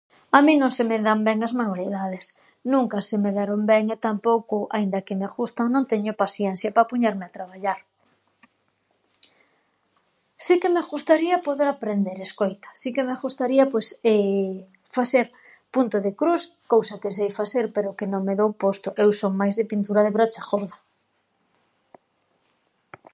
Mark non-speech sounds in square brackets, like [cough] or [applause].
A min non se me dan ben as manualidades, nunca se me deron ben e tampouco, aínda que me ghustan, non teño pasiensia pa poñerme a traballar. Si que me ghustaría poder aprender, escoita, si que me ghustaría pois [hesitation] faser punto de crus, cousa que sei faser, pero que non me dou posto, eu son máis de pintura de brocha ghorda.